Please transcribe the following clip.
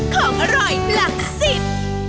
ของอร่อยหลักสิบ